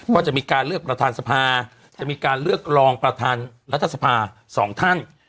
ก็จะมีการเลือกประธานสภาจะมีการเลือกรองประธานรัฐสภา๒ท่าน